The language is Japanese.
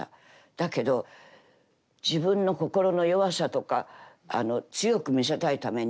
だけど自分の心の弱さとか強く見せたいためにもうフルメーク。